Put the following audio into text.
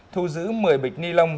thu giữ một mươi bịch ni lông